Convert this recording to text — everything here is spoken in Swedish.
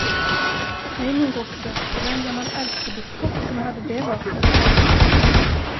Nej, min gosse, det var en gammal ärkebiskop som hade det vapnet!